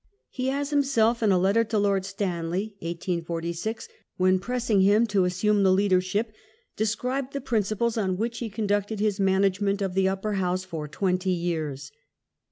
He has himself, in a letter to Lord Stanley (1846) when pressing him to assume the leadership, described the principles on which he conducted his management of the Upper House for twenty years.